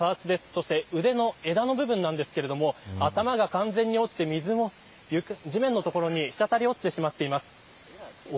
そして、腕の枝の部分なんですが頭が完全に落ちて水も地面の所に滴り落ちてしまっています。